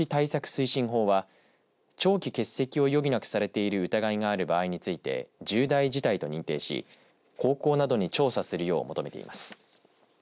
推進法は長期欠席を余儀なくされている疑いがある場合について重大事態と認定し高校などに調査するよう求めています。